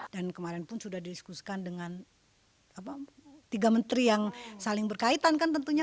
dan kemarin pun sudah didiskusikan dengan tiga menteri yang saling berkaitan kan tentunya